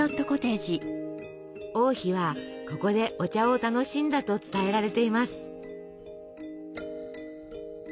王妃はここでお茶を楽しんだと伝えられています。